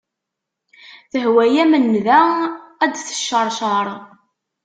Tehwa-am nnda ad d-tecceṛceṛ.